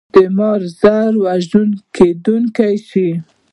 د مار زهر وژونکي کیدی شي